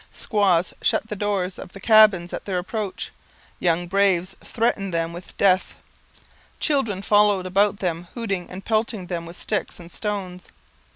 Squaws shut the doors of the cabins at their approach, young braves threatened them with death, children followed them about hooting and pelting them with sticks and stones.